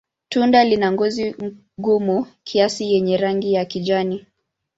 Tunda lina ngozi gumu kiasi yenye rangi ya kijani.